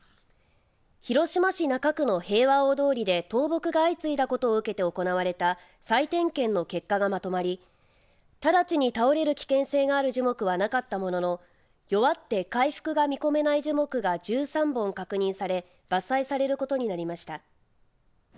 広島市中区の平和大通りで倒木が相次いだことを受けて行われた再点検の結果がまとまりただちに倒れる危険性がある樹木はなかったものの弱って回復が見込めない樹木が１３本確認され伐採されることになりました。